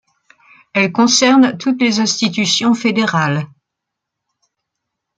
Elle concerne toutes les institutions fédérales.